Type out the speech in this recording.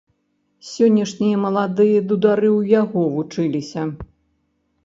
Сённяшнія маладыя дудары ў яго вучыліся.